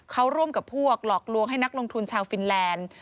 เขาร่วมกับพวกหลอกลวงให้นักลงทุนชาวฟินแลนด์